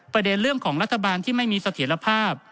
ประเด็นเรื่องของรัฐบาลที่ไม่มีเสถียรภาพ